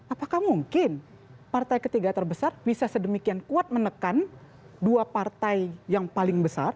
apakah mungkin partai ketiga terbesar bisa sedemikian kuat menekan dua partai yang paling besar